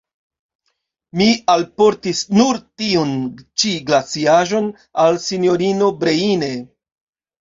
Mi alportis nur tiun ĉi glaciaĵon al sinjorino Breine.